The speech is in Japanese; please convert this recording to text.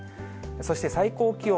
そして、最高気温。